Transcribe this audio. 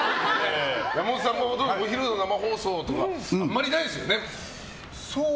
山本さんもお昼の生放送とかあまりないですよね。